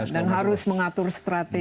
dan harus mengatur strategi